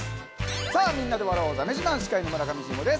さあみんなで笑おう「だめ自慢」司会の村上信五です。